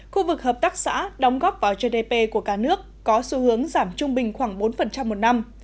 khu vực hợp tác xã đóng góp vào gdp của cả nước có xu hướng giảm trung bình khoảng bốn một năm